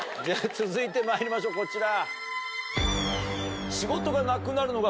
続いてまいりましょうこちら。